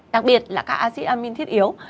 đặc biệt là các acid amine thiết yếu